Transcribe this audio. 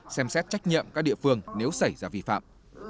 xem xét trách nhiệm các địa phương nếu xảy ra vi phạm